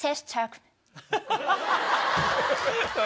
ハハハ！